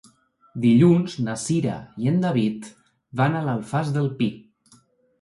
Dilluns na Cira i en David van a l'Alfàs del Pi.